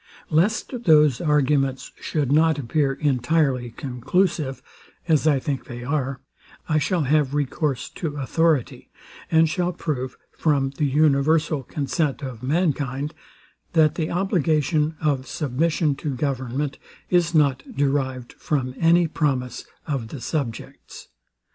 Lest those arguments should not appear entirely conclusive (as I think they are) I shall have recourse to authority, and shall prove, from the universal consent of mankind, that the obligation of submission to government is not derived from any promise of the subjects.